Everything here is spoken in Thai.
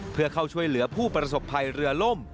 เพื่อเข้าช่วยเหลือผู้ประสบภัยเรือล่ม